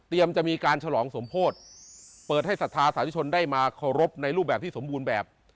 จะมีการฉลองสมโพธิเปิดให้ศรัทธาสาธุชนได้มาเคารพในรูปแบบที่สมบูรณ์แบบ